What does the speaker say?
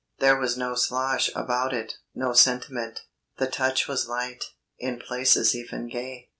There was no slosh about it, no sentiment. The touch was light, in places even gay.